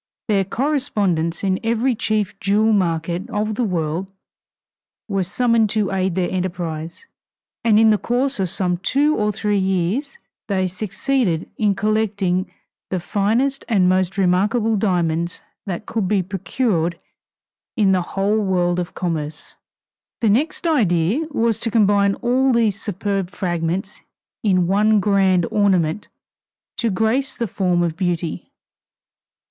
Their correspondents in every chief jewel market of the world were summoned to aid their enterprise, and in the course of some two or three years they succeeded in collecting the finest and most remarkable diamonds that could be procured in the whole world of commerce. The next idea was to combine all these superb fragments in one grand ornament to grace the form of beauty.